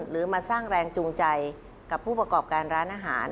หรือมาสร้างแรงจูงใจกับผู้ประกอบการร้านอาหาร